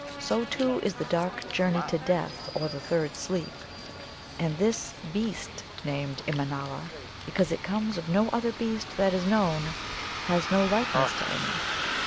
So, too, is the dark journey to death or the Third Sleep. And this Beast they name Immanâla because it comes of no other beast that is known, has no likeness to any.